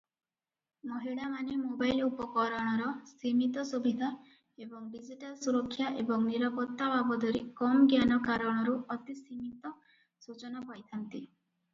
ମହିଳାମାନେ ମୋବାଇଲ ଉପକରଣର ସୀମିତ ସୁବିଧା ଏବଂ ଡିଜିଟାଲ ସୁରକ୍ଷା ଏବଂ ନିରାପତ୍ତା ବାବଦରେ କମ ଜ୍ଞାନ କାରଣରୁ ଅତି ସୀମିତ ସୂଚନା ପାଇଥାନ୍ତି ।